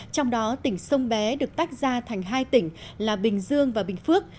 trong đó tỉnh sông bé được tách ra thành hai tỉnh là bình dương và bình phước